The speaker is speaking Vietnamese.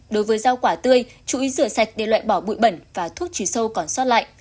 đối với rau quả tươi chú ý rửa sạch để loại bỏ bụi bẩn và thuốc trừ sâu còn xót lại